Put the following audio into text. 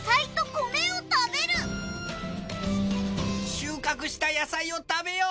収穫した野菜を食べよう！